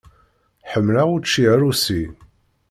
Ḥemmleɣ učči arusi.